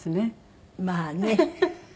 まあね。